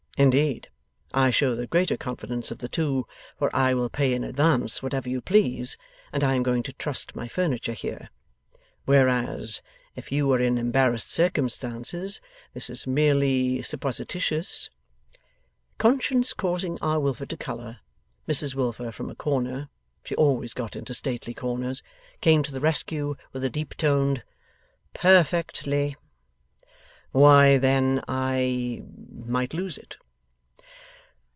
Indeed, I show the greater confidence of the two, for I will pay in advance whatever you please, and I am going to trust my furniture here. Whereas, if you were in embarrassed circumstances this is merely supposititious ' Conscience causing R. Wilfer to colour, Mrs Wilfer, from a corner (she always got into stately corners) came to the rescue with a deep toned 'Per fectly.' ' Why then I might lose it.